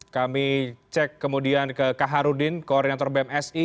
kami cek kemudian ke kak harudin koordinator bmsi